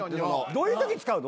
どういうとき使うの？